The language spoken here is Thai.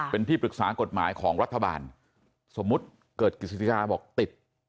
เป็นที่ปรึกษากฎหมายของรัฐบาลสมมุติเกิดกฤษฎิกาบอกติด